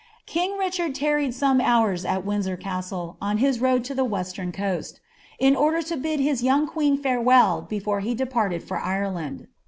King Uichard lurried some hours a( Windsor Castle, on lii« nrnttt the nestern coast, in order to bid hia young queen lkre«rell btfaic b deiMitcd for Ireland.